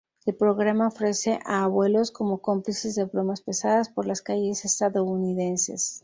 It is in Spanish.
El programa ofrece a abuelos como cómplices de bromas pesadas por las calles estadounidenses.